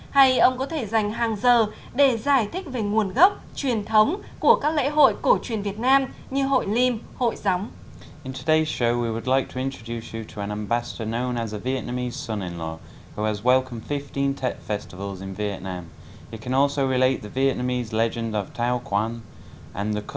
hay ông có thể dành hàng giờ để giải thích về nguồn gốc truyền thống của các lễ hội cổ truyền việt nam như hội lim hội gióng